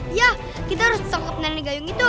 iya kita harus ngejar nani gayung itu